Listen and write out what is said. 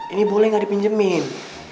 ini boleh nggak dipinjemin